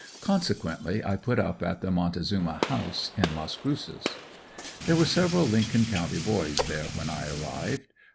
Consequently I put up at the Montezuma House, in Las Cruces. There were several Lincoln County boys there when I arrived.